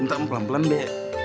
entah pelan pelan be